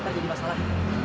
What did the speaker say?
gak ada jadi masalah